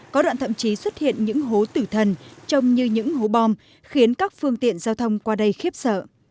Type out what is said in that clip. có đoạn thậm chí xuất hiện những hố tử thần trông như những hố bom khiến các phương tiện giao thông qua đây khiếp sợ